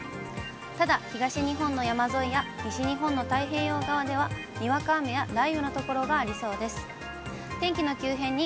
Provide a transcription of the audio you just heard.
ただ、東日本の山沿いや西日本の太平洋側では、にわか雨や雷雨の所がありそうです。